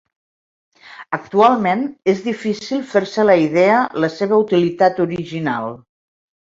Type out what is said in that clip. Actualment és difícil fer-se a la idea la seva utilitat original.